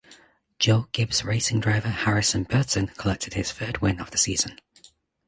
Joe Gibbs Racing driver Harrison Burton collected his third win of the season.